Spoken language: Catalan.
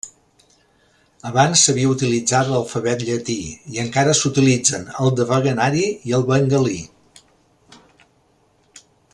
Abans s'havia utilitzat l'alfabet llatí, i encara s'utilitzen el devanagari i el bengalí.